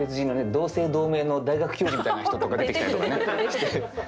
同姓同名の大学教授みたいな人とか出てきたりとかして。